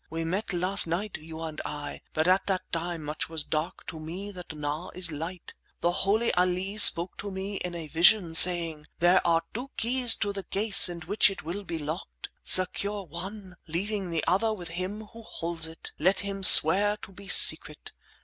We met last night, you and I, but at that time much was dark to me that now is light. The holy 'Alee spoke to me in a vision, saying: 'There are two keys to the case in which it will be locked. Secure one, leaving the other with him who holds it! Let him swear to be secret.